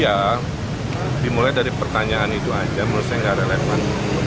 ya dimulai dari pertanyaan itu aja menurut saya nggak relevan